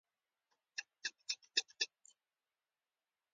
غور د پښتو ادبیاتو د رامنځته کیدو یو ډېر مهم مرکز و